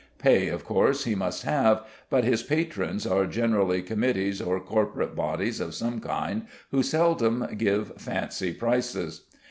Pay of course he must have, but his patrons are generally committees or corporate bodies of some kind, who seldom give fancy prices.